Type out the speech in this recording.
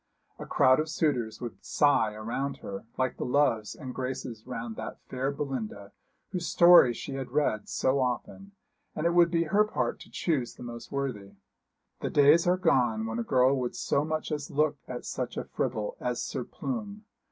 A crowd of suitors would sigh around her, like the loves and graces round that fair Belinda whose story she had read so often; and it would be her part to choose the most worthy. The days are gone when a girl would so much as look at such a fribble as Sir Plume.